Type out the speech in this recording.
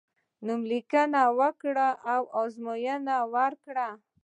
نوم لیکنه وکړی او ازموینه ورکړی.